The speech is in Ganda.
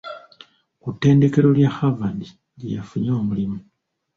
Ku ttendekero lya Harvard gye yafunye omulimu.